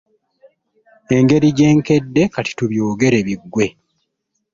Engeri gye nkedde kati tubyogere biggwe.